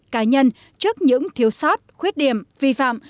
cá nhân trước những thiếu sót khuyết điểm vi phạm